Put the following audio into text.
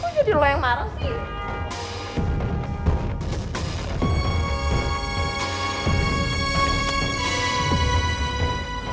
kok jadi lo yang marah sih